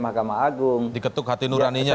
mahkamah agung diketuk hati nuraninya